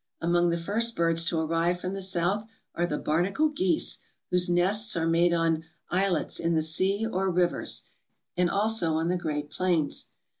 Among the first birds to arrive from the south are the barnacle geese, whose nests are made on islets in the sea or rivers, and also on the great plains.